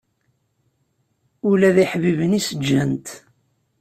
Ula d iḥbiben-is ǧǧan-t.